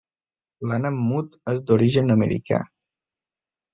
L'ànec mut és d'origen americà.